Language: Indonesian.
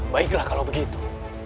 baiklah kalau begitu